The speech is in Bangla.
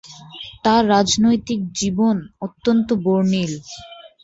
তার রাজনৈতিক জীবন অত্যন্ত বর্ণিল।